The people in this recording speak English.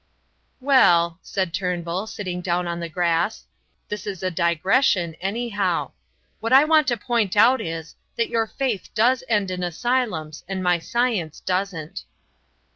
"Well," said Turnbull, sitting down on the grass, "this is a digression, anyhow. What I want to point out is, that your faith does end in asylums and my science doesn't."